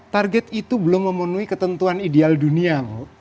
target itu belum memenuhi ketentuan ideal dunia